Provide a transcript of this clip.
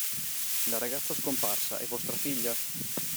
La ragazza scomparsa è vostra figlia?